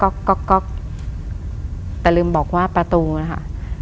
ก็แต่ลืมบอกว่าประตูนะคะ